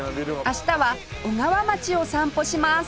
明日は小川町を散歩します